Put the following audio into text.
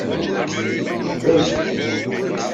Xdem!